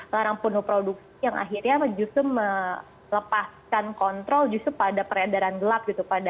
melarang penuh produksi yang akhirnya justru melepaskan kontrol pada peredaran gelap